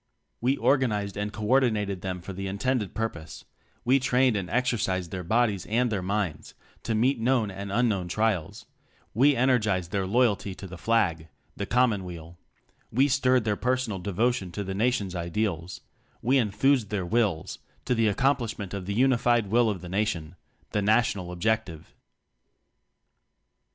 We organized and co ordinated them for the intended pur pose; we trained and exercised their bodies and their minds to meet known and unknown trials; we energized their loyalty to the Flag the Com monweal; we stirred their personal de votion to the Nation's ideals; we en thused their wills to the accomplish ment of the unified Will of the Nation the National Objective.